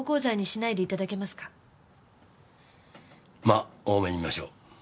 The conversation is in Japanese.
ま大目に見ましょう。